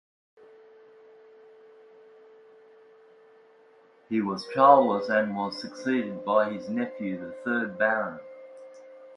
He was childless and was succeeded by his nephew, the third Baron.